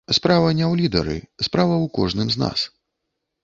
Справа не ў лідары, справа ў кожным з нас.